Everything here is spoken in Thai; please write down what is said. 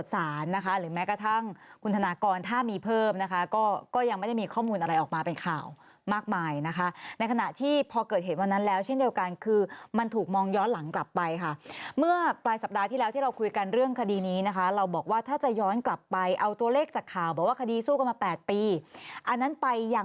สารนะคะหรือแม้กระทั่งคุณธนากรถ้ามีเพิ่มนะคะก็ก็ยังไม่ได้มีข้อมูลอะไรออกมาเป็นข่าวมากมายนะคะในขณะที่พอเกิดเหตุวันนั้นแล้วเช่นเดียวกันคือมันถูกมองย้อนหลังกลับไปค่ะเมื่อปลายสัปดาห์ที่แล้วที่เราคุยกันเรื่องคดีนี้นะคะเราบอกว่าถ้าจะย้อนกลับไปเอาตัวเลขจากข่าวบอกว่าคดีสู้กันมา๘ปีอันนั้นไปอย่าง